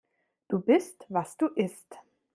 Du bist, was du isst.